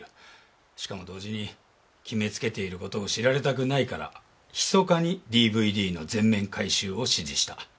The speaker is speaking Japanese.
しかも同時に決めつけている事を知られたくないから密かにＤＶＤの全面回収を指示した。